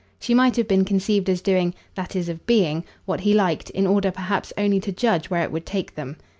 She might have been conceived as doing that is of being what he liked in order perhaps only to judge where it would take them.